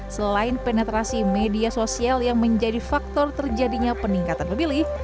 selain penetrasi media sosial yang menjadi faktor terjadinya peningkatan pemilih